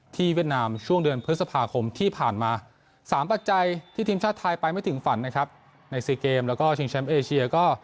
ทีมชาติไทยไปไม่ถึงฝันนะครับในซีเกมแล้วก็ชิงแชมป์เอเชียก็